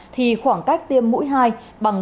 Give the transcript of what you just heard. thì khoảng cách tiêm mũi hai bằng vaccine astrazeneca